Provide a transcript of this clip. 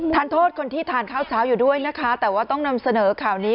ทานโทษคนที่ทานข้าวเช้าอยู่ด้วยนะคะแต่ว่าต้องนำเสนอข่าวนี้